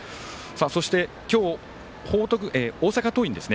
そして、今日、大阪桐蔭ですね。